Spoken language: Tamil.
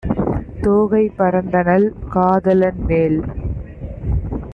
தோகை பறந்தனள் காதலன்மேல்!